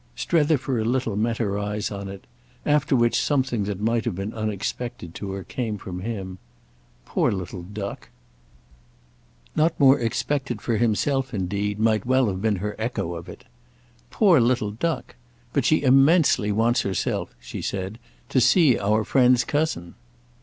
Strether for a little met her eyes on it; after which something that might have been unexpected to her came from him. "Poor little duck!" Not more expected for himself indeed might well have been her echo of it. "Poor little duck! But she immensely wants herself," she said, "to see our friend's cousin."